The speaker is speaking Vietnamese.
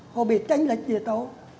họ biết tránh lệch địa tố